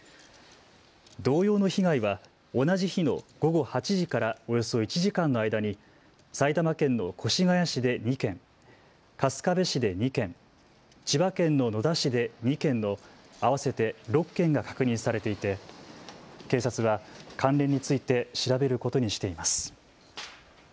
同様の被害は同じ日の午後８時からおよそ１時間の間に埼玉県の越谷市で２件、春日部市で２件、千葉県の野田市で２件の合わせて６件が確認されていて警察は関連について調べることにしています。